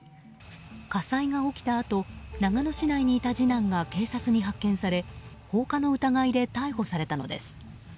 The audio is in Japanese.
火災が起きたあと長野市内にいた次男が警察に発見され放火の疑いで逮捕されたのです。